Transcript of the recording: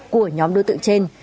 của nhóm đối tượng trên